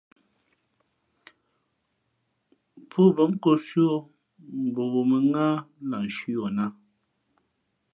Pō bα̌ nkōsī o mbα wo mᾱŋáh lah cwī yo nāt.